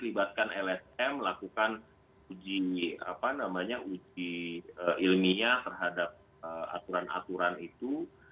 libatkan lsm lakukan uji ilminya terhadap aturan aturan itu